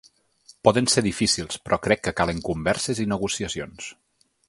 Poden ser difícils, però crec que calen converses i negociacions.